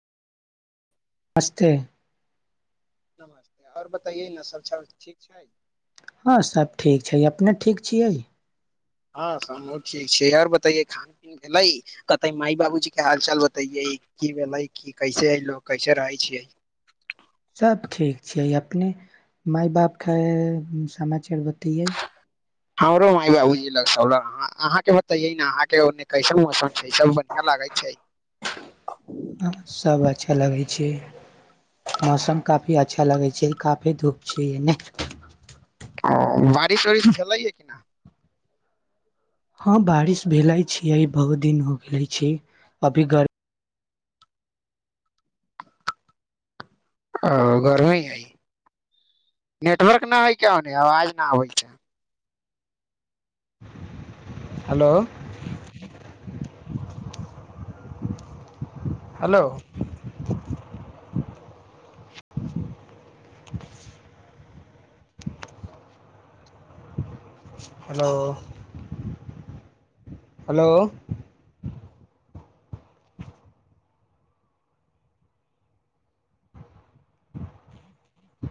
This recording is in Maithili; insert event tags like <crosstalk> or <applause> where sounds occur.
नमस्ते नमस्ते आओर बतैए नसल छ ठीक छै हँ सब ठीक छै अपने ठीक छी हँ हमहूँ ठीक छै आओर बतैयै खान पीन भेलै कतै मााय बाबूजीे हाल चाल बतैयै की भेलै की कैसे हइ लोको कैसे रहै छियै सभ ठीक छैिय अपने माय बापके समाचार बतैयै हमरो मााय बाबूग अहाँके मत य अहाँके कैसन मौसम छै सब बढ़िआँ लागै छै हँ, सब अच्छा लगै छै मौसम काफी अच्छा लगै छै काफी धूप छ नहि बारिश उआरिस भेललैया हँ बारिश भेले छीय बहुत दिन हो गेले छै अभी गर्मी ओ गरमी हइ नेटवर्क न होइ कओ नहि अवाज न होइ छै हेलो हेलो हेलो हेलो <unintelligible>